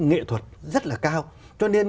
nghệ thuật rất là cao cho nên